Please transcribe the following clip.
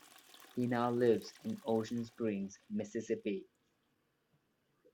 He now lives in Ocean Springs, Mississippi.